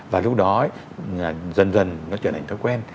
và lúc đó dần dần nó trở thành thói quen